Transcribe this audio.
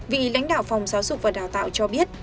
vị lãnh đạo phòng giáo dục và đào tạo cho biết